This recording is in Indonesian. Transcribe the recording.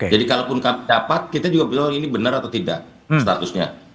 jadi kalaupun dapat kita juga bisa tahu ini benar atau tidak statusnya